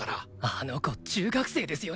あの子中学生ですよね？